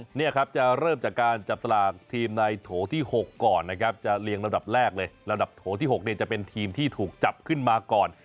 เนี่ยครับจะเริ่มจากการจับสลากทีมในโถที่๖ก่อนนะครับจะเรียงระดับแรกเลยระดับโถที่๖เนี่ยจะเป็นทีมที่ถูกจับขึ้นมาก่อน